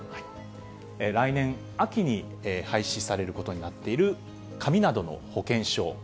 来年秋に廃止されることになっている紙などの保険証。